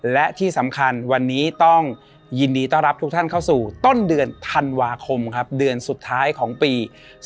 และที่สำคัญวันนี้ต้องยินดีต้อนรับทุกท่านเข้าสู่ต้นเดือนธันวาคมครับเดือนสุดท้ายของปี๒๕๖